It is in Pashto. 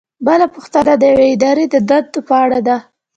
بله پوښتنه د یوې ادارې د دندو په اړه ده.